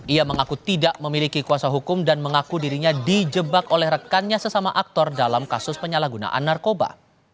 ia mengaku tidak memiliki kuasa hukum dan mengaku dirinya dijebak oleh rekannya sesama aktor dalam kasus penyalahgunaan narkoba